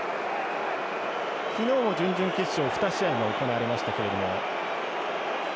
昨日も準々決勝２試合が行われましたけれども。